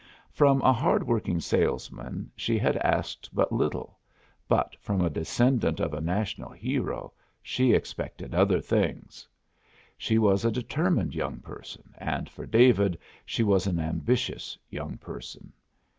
From a hard working salesman she had asked but little, but from a descendant of a national hero she expected other things. She was a determined young person, and for David she was an ambitious young person.